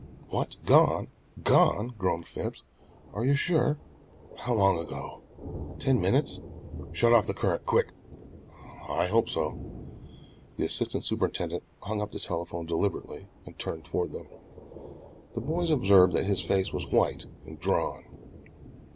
"What, gone? gone?" groaned Phipps. "Are you sure? How long ago? Ten minutes? Shut off the current! Quick! I hope so." The assistant superintendent hung up the telephone deliberately and turned toward them. The boys observed that his face was white and drawn.